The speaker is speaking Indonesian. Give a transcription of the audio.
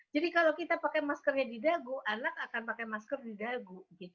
jadi kalau kita pakai maskernya di dagu anak akan pakai masker di dagu